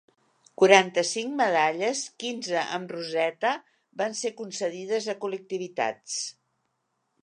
Cinquanta-cinc medalles, quinze amb roseta, van ser concedides a col·lectivitats.